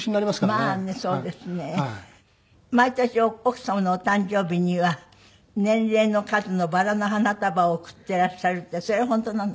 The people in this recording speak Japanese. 毎年奥様のお誕生日には年齢の数のバラの花束を贈ってらっしゃるってそれは本当なの？